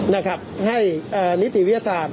นะครับให้นิติวิทยาศาสตร์